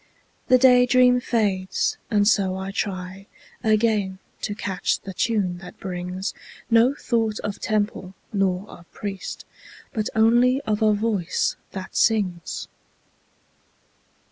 The day dream fades and so I try Again to catch the tune that brings No thought of temple nor of priest, But only of a voice that sings.